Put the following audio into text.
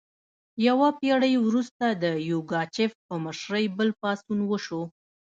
یوه پیړۍ وروسته د یوګاچف په مشرۍ بل پاڅون وشو.